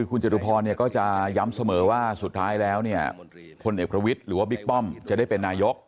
คุณจตุพรก็จะย้ำเสมอว่าสุดท้ายแล้วเนี่ยพลเอกประวิทย์หรือว่าบิ๊กป้อมจะได้เป็นนายก